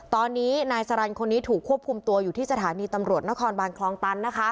ตอนนี้นายสรรคนนี้ถูกควบคุมตัวอยู่ที่สถานีตำรวจนครบานคลองตัน